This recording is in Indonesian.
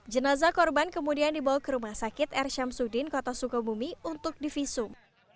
jenazah korban kemudian dibawa ke rumah sakit r syamsuddin kota sukabumi untuk divisum